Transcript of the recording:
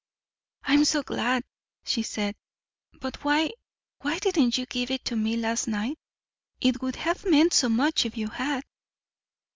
"I'm so glad," she said. "But why why didn't you give it to me last night? It would have meant so much if you had."